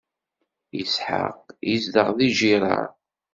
Isḥaq izdeɣ di Girar.